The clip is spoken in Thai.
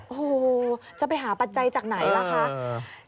โอ้โหจะไปหาปัจจัยจากไหนล่ะคะ